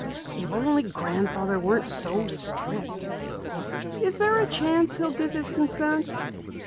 If only Grandfather weren't so strict." "Is there a chance he'll give his consent?"